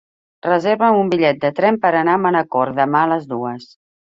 Reserva'm un bitllet de tren per anar a Manacor demà a les dues.